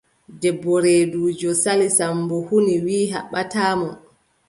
Debbo reeduujo Sali, Sammbo huni wiʼi haɓɓataa mo.